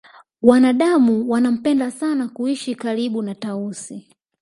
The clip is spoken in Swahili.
wanadamu wanampenda sana kuishi karibu na tausi